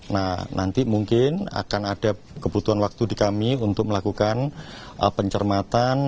nah nanti mungkin akan ada kebutuhan waktu di kami untuk melakukan pencermatan